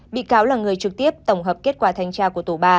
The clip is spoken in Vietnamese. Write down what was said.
bị cáo là người trực tiếp tổng hợp kết quả thanh tra của tổ ba